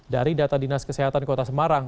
dari data dinas kesehatan kota semarang